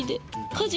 家事。